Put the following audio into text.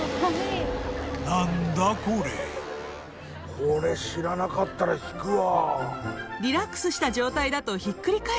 これ知らなかったら引くわ。